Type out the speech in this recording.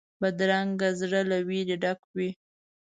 بدرنګه زړه له وېرې ډک وي